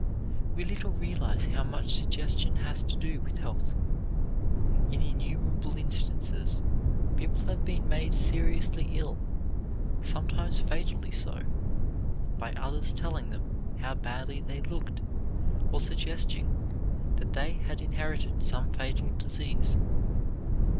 We little realize how much suggestion has to do with health. In innumerable instances people have been made seriously ill, sometimes fatally so, by others telling them how badly they looked, or suggesting that they had inherited some fatal disease.